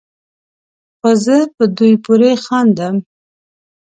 خو زه په دوی پورې خاندم